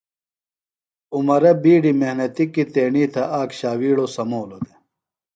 عمرہ بیڈیۡ محنتی کیۡ تیݨی تھےۡ آک شاویڑو سمولو دےۡ۔